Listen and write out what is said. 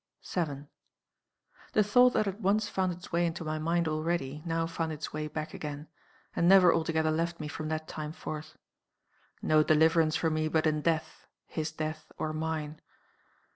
7. "The thought that had once found its way into my mind already, now found its way back again, and never altogether left me from that time forth. No deliverance for me but in death his death, or mine.